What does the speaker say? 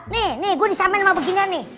nih nih gue disamain sama beginian nih